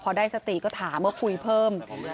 พอได้สติก็ถามว่าคุยเพิ่ม